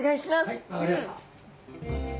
はい分かりました。